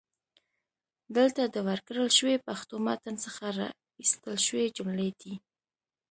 دلته د ورکړل شوي پښتو متن څخه را ایستل شوي جملې دي: